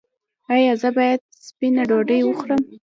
ایا زه باید سپینه ډوډۍ وخورم؟